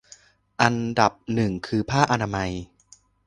อันดับหนึ่งคือผ้าอนามัย